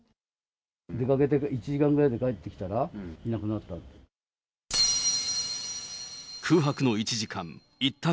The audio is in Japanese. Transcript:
出かけて１時間くらいで帰ってきたら、いなくなったって。